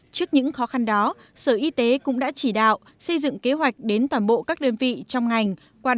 trước những khó khăn đó sở y tế cũng đã chỉ đạo xây dựng kế hoạch đến toàn bộ các đơn vị trong ngành